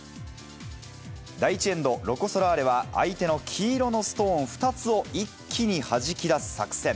第１エンド、ロコ・ソラーレは、相手の黄色のストーン２つを一気にはじき出す作戦。